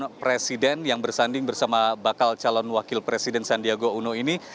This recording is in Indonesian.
bakal calon presiden yang bersanding bersama bakal calon wakil presiden sandiago uno ini